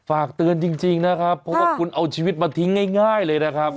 ฝากเตือนจริงนะครับเพราะว่าคุณเอาชีวิตมาทิ้งง่ายเลยนะครับ